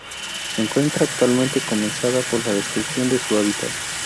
Se encuentra actualmente amenazada por la destrucción de su hábitat.